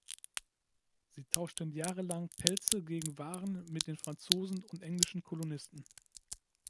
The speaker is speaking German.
Sie tauschten jahrelang Pelze gegen Waren mit den Franzosen und englischen Kolonisten.